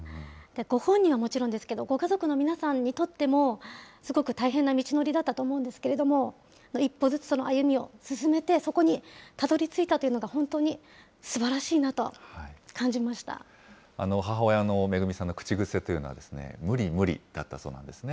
ご本人はもちろんですけど、ご家族の皆さんにとっても、すごく大変な道のりだったと思うんですけれども、一歩ずつその歩みを進めて、そこにたどりついたというのが、母親の恵さんの口癖というのは、無理無理だったそうなんですね。